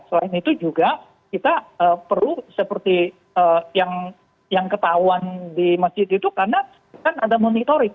selain itu juga kita perlu seperti yang ketahuan di masjid itu karena kan ada monitoring